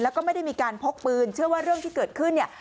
แล้วก็ไม่ได้มีการพกปืนเชื่อว่าเรื่องที่เกิดขึ้นเนี่ย